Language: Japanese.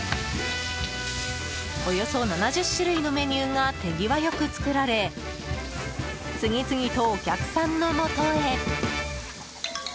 およそ７０種類のメニューが手際良く作られ次々とお客さんのもとへ。